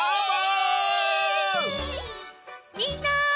みんな！